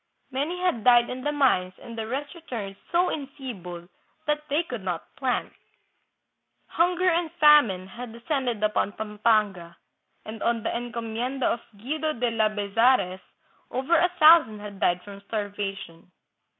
Many had died in the mines and the rest returned so enfeebled that they could not plant. Hunger and famine had de scended upon Pampanga, and on the encomienda of Guido de Labezares over a thousand had died from starvation.